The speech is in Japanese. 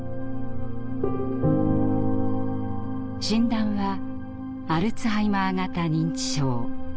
診断は「アルツハイマー型認知症」。